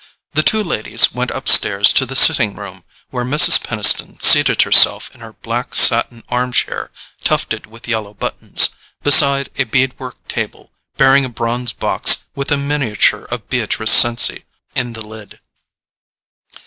The two ladies went upstairs to the sitting room, where Mrs. Peniston seated herself in her black satin arm chair tufted with yellow buttons, beside a bead work table bearing a bronze box with a miniature of Beatrice Cenci in the lid.